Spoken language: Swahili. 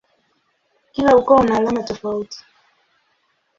Kila ukoo una alama tofauti.